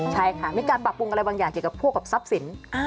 ใช่ค่ะมีการปรับปรุงอะไรบางอย่างเกี่ยวกับพวกกับทรัพย์สิน